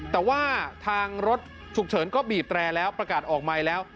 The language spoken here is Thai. แต่ว่าทางรถฉุกเฉินก็บีบแตรแล้วประกาศออกไมค์แล้ว